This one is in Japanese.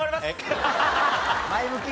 前向き。